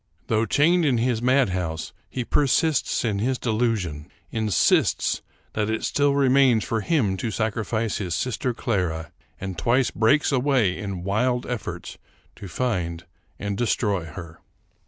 Though chained in his madhouse, he persists in his delusion; in sists that it still remains for him to sacrifice his sister Clara; and twice breaks away in wild efforts to find and destroy her.